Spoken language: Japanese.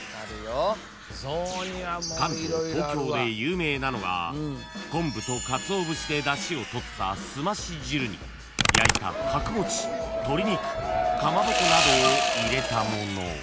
［関東東京で有名なのが昆布とかつお節でだしを取った澄まし汁に焼いた角餅鶏肉かまぼこなどを入れたもの］